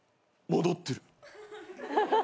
戻ってる？